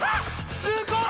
すごい！